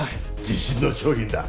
自信の商品だ。